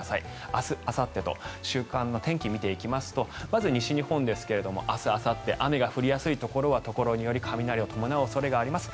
明日、あさってと週間の天気を見ていきますとまず西日本ですが明日あさって雨が降りやすいところはところにより雷を伴うところがあります。